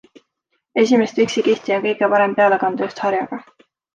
Esimest viksikihti on kõige parem peale kanda just harjaga.